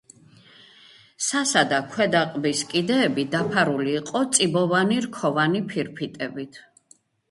სასა და ქვედა ყბის კიდეები დაფარული იყო წიბოვანი რქოვანი ფირფიტებით.